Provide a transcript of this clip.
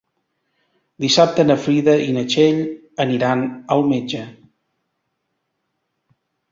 Dissabte na Frida i na Txell aniran al metge.